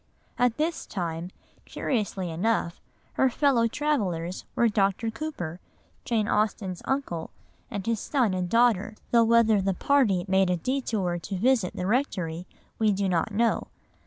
At this time, curiously enough, her fellow travellers were Dr. Cooper, Jane Austen's uncle, and his son and daughter, though whether the party made a détour to visit the rectory we do not know.